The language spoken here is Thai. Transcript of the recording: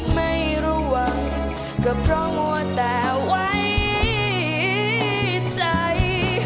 ไม่รู้หวังก็เพราะมัวแต่ไว้ใจ